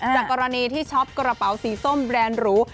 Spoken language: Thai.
จากกรณีที่ช็อปกระเป๋าสีส้มแบรนด์หรู